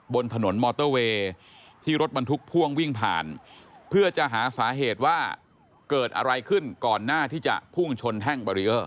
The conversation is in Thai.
บนถนนมอเตอร์เวย์ที่รถบรรทุกพ่วงวิ่งผ่านเพื่อจะหาสาเหตุว่าเกิดอะไรขึ้นก่อนหน้าที่จะพุ่งชนแท่งบารีเออร์